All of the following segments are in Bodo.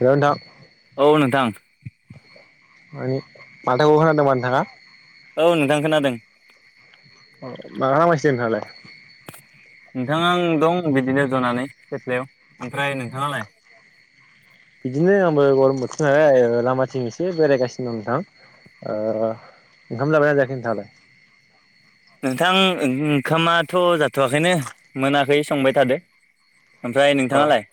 हेलौ नोंथां औ नोंथां। माने माथोखौ खोनादोंबा नोंथाङा औ नोंथां खोनादों। अ मा खालामगासिनो नोंथाङालाय? नोंथां आं दं बिदिनो जनानै सेथ्लायाव ओमफ्राय नोंथाङालाय? बिदिनो आंबो गरम बोथोर नालाय लामाथिं एसे बेरायगासिनो दं नोंथां। ओ ओंखाम जाबायना जायाखै नोंथाङालाय? नोंथां ओंखामाथ' जाथ'वाखैनो मोनाखै संबाय थादो। ओमफ्राय औ नोंथाङालाय?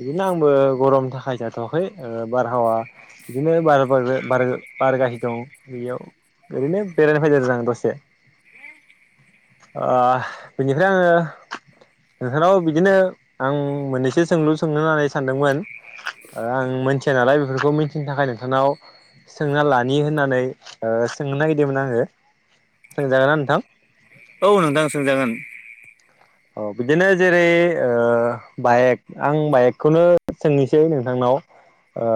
बिदिनो आंबो गरमनि थाखाय जाथ'वाखै ओ बारहावा बिदिनो बार-बार फार गाहि दं बेयाव ओरैनो बेरायनो फैदों आरो आं दसे। ओ बेनिफ्राय आङो नोंथांनाव बिदिनो आं मोननैसो सोंलु सोंनो होननानै सानदोंमोन? ओ आं मोनथिया नालाय बेफोरखौ मिथिनो थाखाय नोंथांनाव सोंना लानि होननानै ओ सोंनो नागिरदोंमोन आङो सोंजागोनना नोंथां? औ नोंथां सोंजागोन। औ बिदिनो जेरै ओ बाइक आं बाइकखौनो सोंनोसै नोंथांनाव। ओ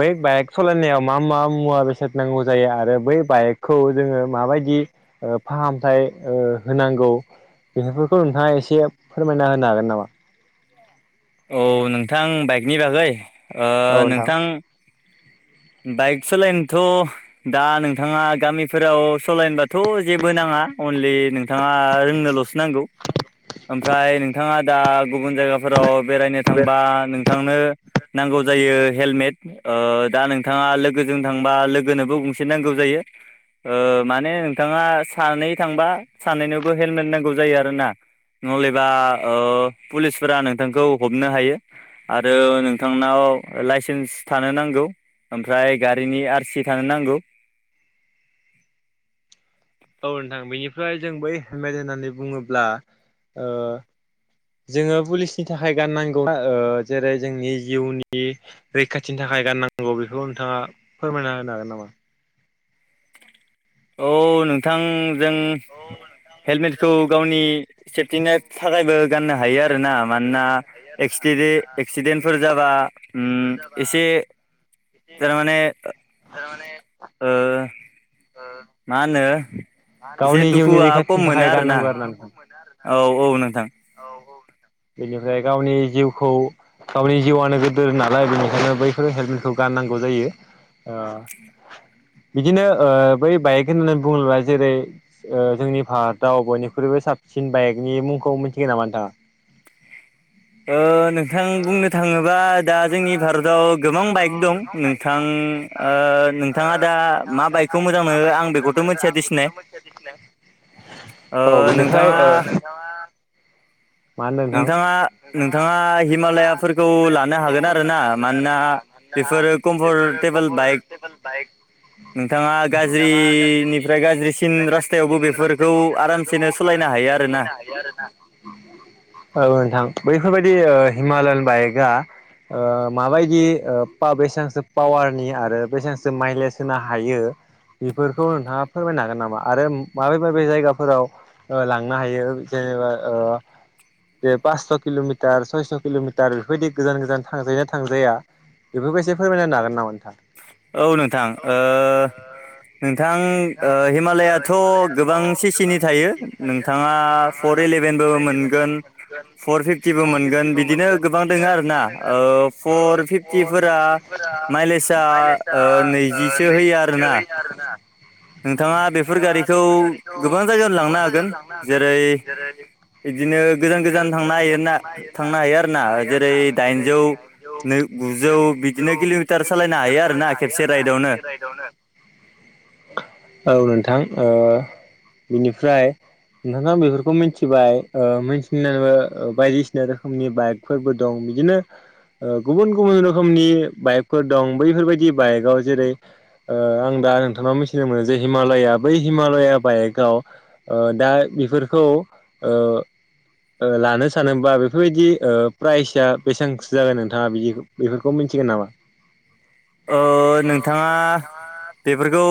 बै बाइक सलायनायाव मा मा मुवा बेसाद नांगौ जायो आरो बै बाइकखौ जोङो माबायदि ओ फाहामथाय ओ होनांगौ। बेफोरखौ नोंथाङा एसे फोरमायना होनो हागोन नामा। औ नोंथां बाइकनि बागै ओ नोंथां बाइक सालायनोथ' दा नोंथाङा गामिफोराव सलायनोबाथ' जेबो नाङा। अनलि नोंथाङा रोंनोल'सो नांगौ। ओमफ्राय नोंथाङा दा गुबुन जायगाफोराव बेरायनो थांबा नोंथांनो नांगौ जायो हेलमेट ओ‌ दा नोंथाङा लोगोजों थांबा लोगोनोबो गंसे नांगौ जायो। ओ माने नोंथाङा सानै थांबा सानैनोबो हेलमेट नांगौ जायो आरो ना नहलेबा ओ पुलिसफोरा नोंथांखौ हमनो हायो। आरो नोंथांनाव लाइसेन्स थानो नांगौ। ओमफ्राय गारिनि आरसि थानो नांगौ। औ नोंथां बेनिफ्राय जों बै हेमेट होननानै बुङोब्ला ओ जोङो पुलिसनि थाखाय गाननांगौना ओ जेरै जोंनि जिउनि रैखाथिनि थाखाय गाननांगौ बेखौ नोंथाङा फोरमायना होनो हागोन नामा। औ नोंथां जों हेलमेटखौ गावनि सेफटिनि थाखायबो गाननो हायो आरोना मानोना [unintelligible] एक्सिडेन्टफोर जाबा उम [unintelligible] जाबा एसे थारमाने थारमाने ओ ओ मा होनो एसे दुखुआ खम रैखाथिनि मोनो थाखाय आरोना। गाननांगौ आरो ना नोंथां औ औ नोंथां। बेनिफ्राय गावनि जिउखौ गावनि जिउआनो गोदोर नालाय बेनिखायनो बैफोर हेलमेटखौ गाननांगौ जायो। ओ बिदिनो ओ बै बाइक होननानै बुङोब्ला जेरै ओ जोंनि भारताव बयनिख्रुइबो साबसिन बाइकनि मुंखौ मिथिगोन नामा नोंथाङा। ओ नों नोंथां बुंनो थाङोबा दा जोंनि भारताव गोबां बाइक दं नोंथां आं ओ नोंथाङा दा मा नोंथाङा दा बाइकखौ मोजां मा मोनो आं बाइकखौ मोजां बेखौथ' मोनो मिथिया आं दिसिनाय बेखौथ' मिथिया खिन्थानाय ओ औ बिनिफ्राय नोंथाङा ओ नोंथाङा नोंथाङा- नोंथाङा हिमालयाफोरखौ लानो हिमालयानफोरखौ हागोन आरोना लानो हागोन आरो मानोना ना मानोना बेफोरो बेफोर कम्फर्टेबोल खबार बाइक स्टेबोल बाइक नोंथाङा गाज्रिनिफ्राय गाज्रिसिन रास्थायावबो बेफोरखौ आराम सेनो सलायनो हायो आरो ना। हायो आरोना। औ नोंथां बैफोरबायदि ओ हिमालयान बाइकआ ओ माबायदि ओ फा बेसेबां सो पावारनि आरो बेसेबांसो माइलेज होनो हायो। बेफोरखौ नोंथाङा फोरमायनो हागोन नामा आरो माबे माबे जायगाफोराव ओ लांनो हायो जेनेबा ओ बे पास्स' किल'मिटार सयस' किल'मिटार बेफोरबायदि गोजान गोजान थांजायो ना थांजाया। बेफोरखौ इसे फोरमायना होनो हागोन नामा नोंथां? औ नोंथां ओ नोंथां ओ हिमालायाथ' गोबां सि सिनि थायो नोंथाङा फर इलेभेनबो मोनगोन फर फिफ्टिबो मोनगोन बिदिनो गोबां दङ आरोना ओ फर फिफ्टिफोरा माइलेजआ ओ नैजिसो होयो आरोना। नोंथाङा बेफोर गारिखौ गोबां जायगायावनो लांनो हागोन जेरै जेरै इदिनो गोजान गोजान थांनो हायो ना थांनो हायो आरोना जेरै- दाइनजौ नै गुजौ बिदिनो किल'मिटार सालायनो हायो आरोना। हायो खेबसे आरोना राइडआवनो खेबसे राइदावनो। औ नोंथां ओ बिनिफ्राय नोंथाङा बेफोरखौ मिथिबाय ओ मिथिनो ओ बायदिसिना रोखोमनि बाइक फोरबो दं बिदिनो ओ गुबुन गुबुन रोखोमनि बाइकफोर दं। बैफोरबायदि बाइकआव जेरै ओ आं दा नोंथांनाव मिथिनो मोनो जे हिमालया बै हिमालया बाइकआव ओ दा इफोरखौ ओ ओ लानो सानोबा बेफोरबायदि ओ प्राइजआ बेसांसो जागोन नोंथाङा बिदिखौ बेफोरखौ मिन्थिगोन नामा? ओ नोंथाङा बेफोरखौ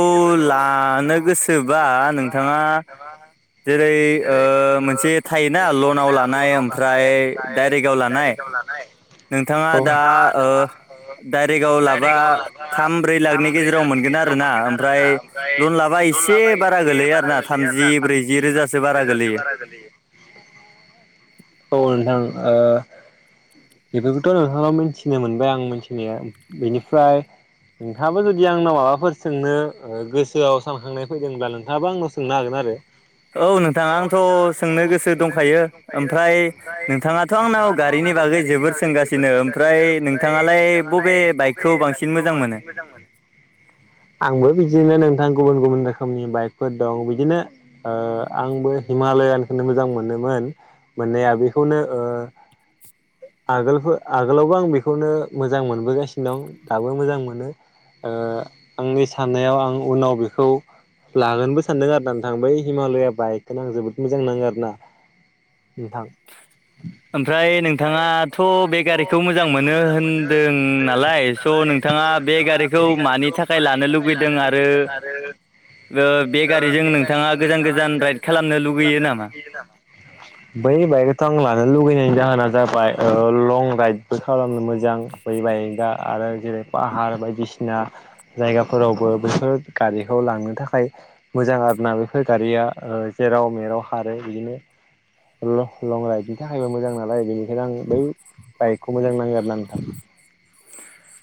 लानो गोसोबा नोंथाङा [inaudible] जेरै ओ मोनसे थायोना लनाव लानाय ओमफ्राय डाइरेक्टआव लानाय। नाय नोंथाङा औ दा नोंथाङा दा ओ डाइरेक्टआव डाइरेक्ट लाबा डाइरेक्टआव लाबा थाम ब्रै थाम लाखनि ब्रै गेजेराव लाखनि मोनगोन गेजेराव आरोना मोन गोन ओमफ्राय आरोना ओमफ्राय लन लाबा लन एसे लाबा बारा एसे गोलैयो आरो बारा ना गोलैयो थामजि आरोना ब्रैजि थामजि रोजासो ब्रैजि बारा रोजासो गोलैयो बारा गोलैयो। औ नोंथां ओ बेफोरखौथ' नोंथाङा मिथिनो मोनबाय आं मिथिनाया बेनिफ्राय नोंथाङाबो जुदि आंनाव माबाफोर सोंनो ओ गोसोआव सानखांनाय फैदोंब्ला नोंथाङाबो आंनाव सोंनो हागोन आरो औ नोंथां आंथ' सोंनो गोसो दंखायो ओमफ्राय नोंथाङाथ' आंनाव गारिनि बागै बागै जोबोर सोंगासिनो ओमफ्राय नोंथाङालाय बबे बाइकखौ बांसिन मोजां मोनो? मोजां मोनो आंबो बिदिनो नोंथां गुबुन गुबुन रोखोमनि बाइकफोर दं बिदिनो ओ आंबो हिमालयानखोनो मोजां मोनोमोन मोननाया बेखौनो ओ आगोलफो आगोलावबो आं बेखौनो मोजां मोनबोगासिनो दं दाबो मोजां मोनो। ओ आंनि साननायाव आं उनाव बेखौ लागोनबो सानदों आरोना नोंथां बै हिमालया बाइकखोनो आं जोबोद मोजां नाङो आरोना। नोंथां ओमफ्राय नोंथाङाथ' बे गारिखौ मोजां मोनो होनदों नालाय स' नों थाङा बे गारिखौ मानि थाखाय लानो लुबैदों आरो ओ बे गारिजों नोंथाङा गोजान गोजान राइड खालामनो लुगैयो नामा? बै बायकखौथ' आं लानो लुगैनायनि जाहोना जाहोना जाबाय ओ लं राइडबो खालामनो मोजां बै बायकआ। आरो जेरै- पाहार बायदिसिना जायगाफोरावबो बेफोर गारिखौ लांनो थाखाय मोजां आरोना बेफोर गारिया ओ जेराव मेराव खारो बिदिनो लह लं राइडनि थाखायबो मोजां नालाय बेनिखायनो आं बै बाइकखौ मोजां नाङो आरोना नोंथां।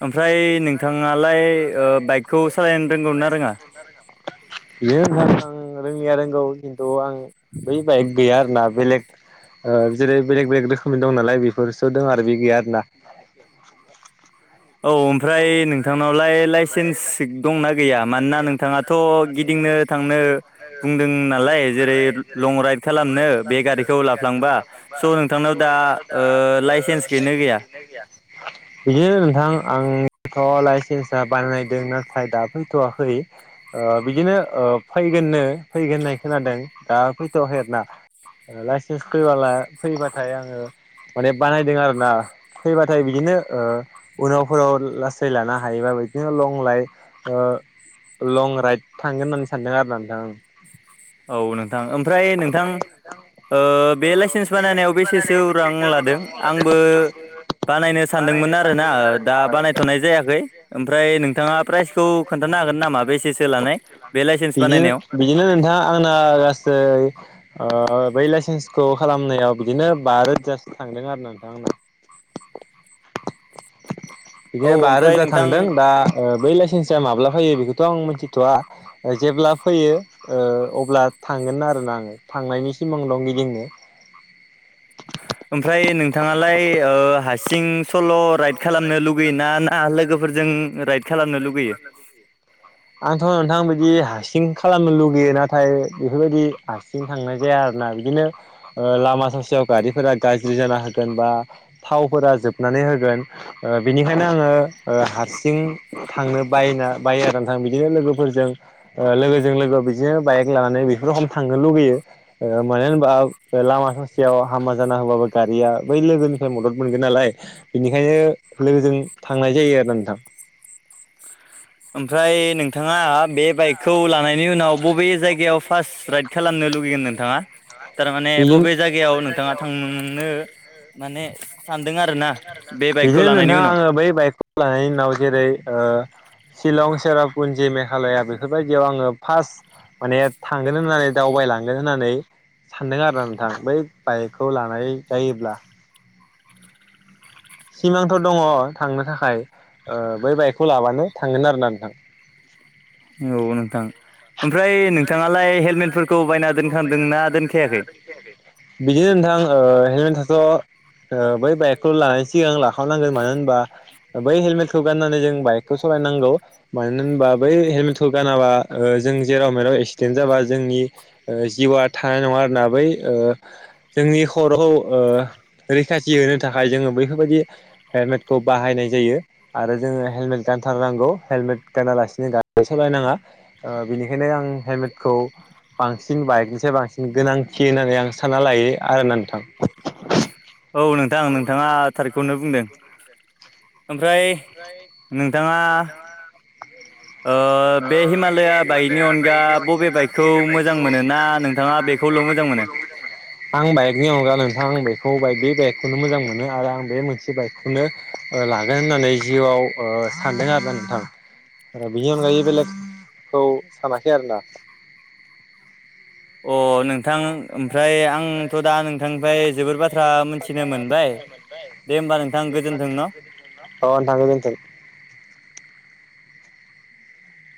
ओमफ्राय नोंथाङालाय ओ बाइकखौ सालायनो रोंगौना रोङा? बे बाइकखौ रोंनाया रोंगौ खिन्थु आं बै बाइक गैया आरोना बेलेग ओ जेरै बेलेग बेलेग रोखोमनि दं नालाय बेफोरसो दोङो आरो बे गैया आरो ना औ ओमफ्राय नों थांनावलाय लाइसेन्स दंना गैया मानोना नोंथाङाथ' गिदिंनो थांनो बुंदों नालाय जेरै लं राइड खालामनो बे गारिखौ लाफ्लांबा होनबा त' नोंथांनो दा ओ लाइसेन्स गैयोना गैया? बिदिनो नोंथां आंथ' लाइसेन्स दा बानायदों नाथाय दा फैथ'वाखै ओ बिदिनो ओ फैगोननो फैगोन होननाय खोनादों दा फैथ'वाखै आरो आर ना ओ लाइसेन्स फैबाला फैबाथाय आङो माने बानायदों आरो ना फैबाथाय बिदिनो ओ उनावफोराव लासै लानो हायोबाबो इदिनो लं लाइ ओ लं राइड थांगोन होननानै सानदों आरो नोंथां आं औ नोंथां ओमफ्राय नोंथां ओ बे लाइसेन्स बानायनायाव बेसेसो रां लादों आंबो बानायनो सानदोंमोन आरोना ओ दा बानायथ'नाय जायाखै ओमफ्राय नोंथाङा प्राइजखौ खोन्थानो हागोन नामा बेसेसो लानाय बे लाइसेन्स बिदिनो बानायनायाव बिदिनो नोंथां आंना गासै ओ बै लाइसेन्सखौ खालामनायाव बिदिनो बा रोजासो थांदों आरो नोंथां आंना औ बिदिनो बा ओमफ्राय रोजा नोंथां थांदों दा ओ बै लाइसेन्सा माब्ला फैयो बेखोथ' आं मिथिथ'आ ओ जेब्ला फैयो ओ अब्ला थांगोन आरोना आङो थांनायनि सिमां दं गिदिंनो ओमफ्राय नोंथाङालाय ओ हाससिं सल' राइट राइड खालामनो लुगैयो [unintelligible] [unintelligible] आंथ' नोंथां बिदि हासिं खालामनो लुगैयो नाथाय बेफोरबायदि हासिं थांनाय जाया आरो ना बिदिनो ओ लामा ससेयाव गारिफोरा गाज्रि जाना होगोन बा थावफोरा जोबनानै होगोन ओ बिनिखायनो आङो ओ हारसिं थांनो बायना बायो आरो नोंथां बिदिनो लोगोफोरजों ओ लोगोजों लोगो बिदिनो बाइक लानानै बेफोरखम थांनो लुगैयो ओ मानो होनबा लामा ससेयाव हामा जाना होबाबो गारिया बै लोगोनिफाय मदद मोनगोन नालाय बेनिखायनो लोगोजों थांनाय जायो आरो नोंथां ओमफ्राय नोंथाङा बेब बाइकखौ लानायनि उनाव बबे जायगायाव फास राइड खालामनो लुुबैगोन नोंथाङा तारमाने बिदि बबे जाय गेयाव नोंथाङा थांनो माने सानदों आरो ना बिदिनो नोंथां आङो बै बाइकखौ लानायनि उनाव जेरै ओ शिलं सेरापुन्जि मेघालया बेफोरबायदियाव आङो फास माने थांगोन होननानै दावबायलांगोन होननानै सानदों आरोना नोंथां बै बाइकखौ लानाय जायोब्ला सिमांथ' दङ' थांनो थाखाय ओ बै बाइकखौ लाबानो थांगोन आरोना नोंथां औ नोंथां ओमफ्राय नोंथाङालाय हेलमेटफोरखौ बायना दोनखानदोंना दोनखायाखै। बिदिनो नोंथां ओ हेलमेट थाथ' ओ बै बाइकखौ लानायनि सिगां लाखावनांगोन मानो होनबा ओ बै हेलमेटखौ गाननानै जों बाइकखौ सलायनांगौ मानो होमबा बै हेलमेटखौ गानाबा ओ जों जेराव मेराव एसिडेन्ट जाबा जोंनि ओ जिउआ थानाय नङा आरोना बै ओ जोंनि खरौ ओ रैखाथि होनो थाखाय जोङो बैफोरबायदि हेलमेटखौ बाहायनाय जायो। आरो जोङो हेलमेट गानथारनांगौ हेलमेट गानालासिनो गारि सलायनाङा ओ बेनिखायनो आं हेलमेटखौ बांस सिन बाइकनिफ्राय बांसिन गोनांथि होननानै आं सानना लायो आरो ना नोंथां। औ नोंथां नोंथाङा थारिखखौनो बुंदों ओमफ्राय फ्राय नोंथाङा बे हिमालया बाइकनि अनगा बबे बाइकखौ मोजां मोनोना नोंथाङा बेखौल' मोजां मोनो। [inaudible] आं बाइकनि अनगा नोंथां आं बेखौ बे बाइकखौनो मोजां मोनो आरो आं बे मोनसे बाइक खौनो लागोन होननानै जिउआव सानदों आरो नोंथां आरो बेनि अनगायै बेलेगखौ सानाखै आरोना अ नोंथां ओमफ्राय आंथ' दा न नोंथांनिफ्राय जोबोर बाथ्रा मिथिनो मोनबाय दे होमबा नोंथां गोजोन्थों न' अ नोंथां गेजोनथों